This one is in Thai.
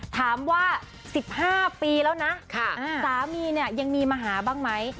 ถามว่า๑๕ปีแล้วนะสามีเนี่ยยังมีมาหาบ้างไหม